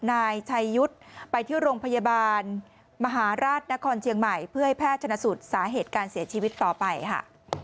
นายชัยยุทธ์ไปที่โรงพยาบาลมหาราชนครเชียงใหม่เพื่อให้แพทย์ชนะสูตรสาเหตุการเสียชีวิตต่อไปค่ะ